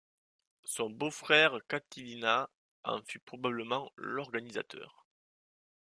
Son beau-frère Catilina en fut probablement l'organisateur.